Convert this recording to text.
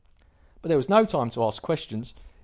"But there was no time to ask questions.